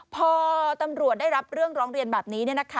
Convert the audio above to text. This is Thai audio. พอตำรวจได้รับเรื่องร้องเรียนแบบนี้